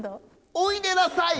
おいでなさい！